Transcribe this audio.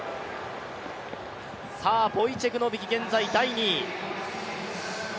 ボイチェク・ノビキ、現在第２位。